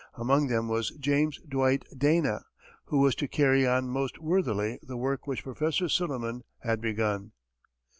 Among them was James Dwight Dana, who was to carry on most worthily the work which Prof. Silliman had begun.